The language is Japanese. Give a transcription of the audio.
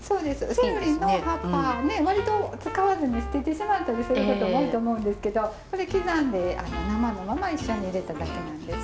セロリの葉っぱ割と使わずに捨ててしまったりすることも多いと思うんですけどそれ刻んで生のまま一緒に入れただけなんです。